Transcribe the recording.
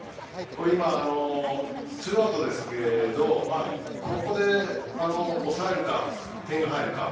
今、ツーアウトですけどここで抑えるか、点が入るか。